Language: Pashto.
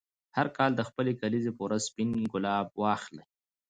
هر کال د خپلې کلیزې په ورځ سپین ګلاب واخلې.